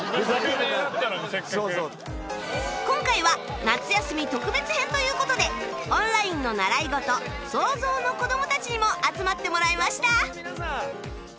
今回は夏休み特別編という事でオンラインの習い事 ＳＯＺＯＷ の子供たちにも集まってもらいました！